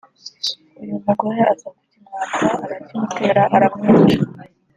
uyu mugore aza kukimwaka arakimutera aramwica